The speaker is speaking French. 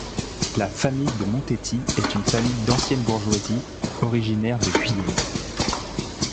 La famille de Montety est une famille d'ancienne bourgeoisie originaire de Guyenne.